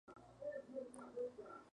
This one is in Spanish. Tallos erectos.